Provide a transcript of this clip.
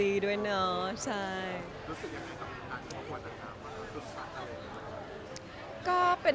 รู้สึกยังไงตอบอะไรต่างเขาหัวต่างว่าลูกการณ์เที่ยวอะไรดีนี่หรือเปล่า